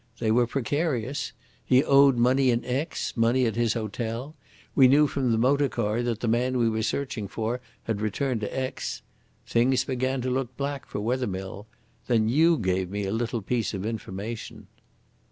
They were precarious. He owed money in Aix, money at his hotel. We knew from the motor car that the man we were searching for had returned to Aix. Things began to look black for Wethermill. Then you gave me a little piece of information."